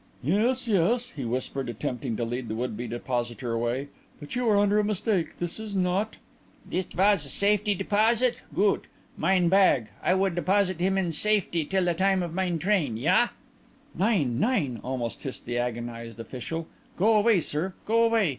"Yes, yes," he whispered, attempting to lead the would be depositor away, "but you are under a mistake. This is not " "It was a safety deposit? Goot. Mine bag I would deposit him in safety till the time of mine train. Ja?" "Nein, nein!" almost hissed the agonized official. "Go away, sir, go away!